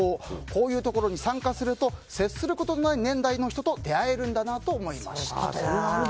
こういうところに参加すると接することのない年代の人と出会えるんだなと思いましたと。